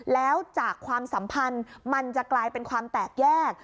แล้วจากความสัมพันธ์มันจะกลายเป็นความแตกแยก